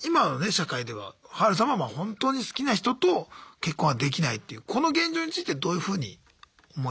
社会ではハルさんは本当に好きな人と結婚はできないというこの現状についてどういうふうに思いますか？